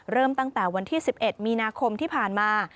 เริ่มตั้งแต่วันที่๑๑มีนาคมที่ผ่านมา